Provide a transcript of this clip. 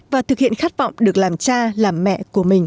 và thực hiện khát vọng được làm cha làm mẹ của mình